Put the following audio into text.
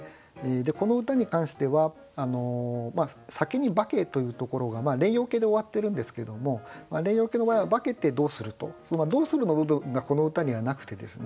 この歌に関しては「酒に化け」というところが連用形で終わってるんですけども連用形の場合は「化けてどうする」とその「どうする」の部分がこの歌にはなくてですね